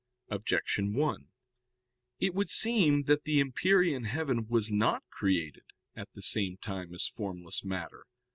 Objection 1: It would seem that the empyrean heaven was not created at the same time as formless matter.